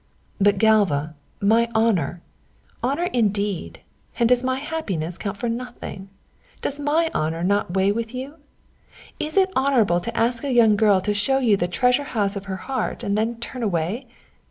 "But, Galva, my honour " "Honour, indeed! And does my happiness count for nothing? Does my honour not weigh with you? Is it honourable to ask a young girl to show you the treasure house of her heart and then turn away?